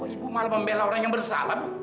ibu malah membela orang yang bersalah bu